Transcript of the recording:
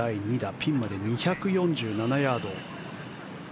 ピンまで２４７ヤード。